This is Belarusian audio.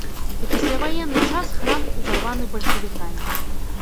У пасляваенны час храм узарваны бальшавікамі.